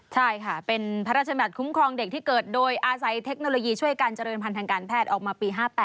ใช่ค่ะเป็นพระราชบัติคุ้มครองเด็กที่เกิดโดยอาศัยเทคโนโลยีช่วยการเจริญพันธ์ทางการแพทย์ออกมาปี๕๘